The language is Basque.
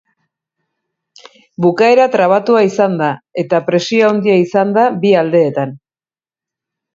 Bukaera trabatua izan da, eta presio handia izan da bi aldeetan.